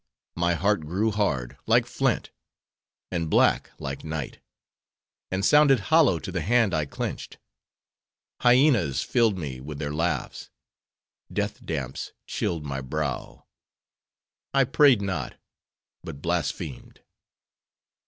my heart grew hard, like flint; and black, like night; and sounded hollow to the hand I clenched. Hyenas filled me with their laughs; death damps chilled my brow; I prayed not, but blasphemed.